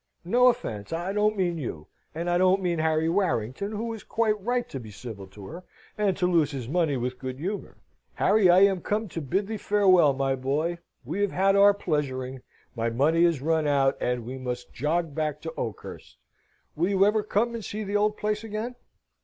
No offence I don't mean you. And I don't mean Harry Warrington, who was quite right to be civil to her, and to lose his money with good humour. Harry, I am come to bid thee farewell, my boy. We have had our pleasuring my money is run out, and we must jog back to Oakhurst. Will you ever come and see the old place again?"